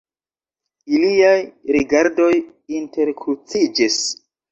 Iliaj rigardoj interkruciĝis.